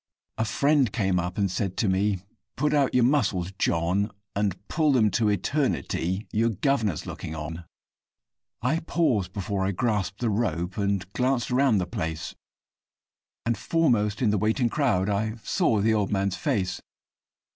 A friend came up and said to me, 'Put out your muscles, John, And pull them to eternity your guvnor's looking on.' I paused before I grasped the rope, and glanced around the place, And, foremost in the waiting crowd, I saw the old man's face.